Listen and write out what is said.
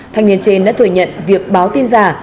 thanh niên trên đã thừa nhận việc báo tin giả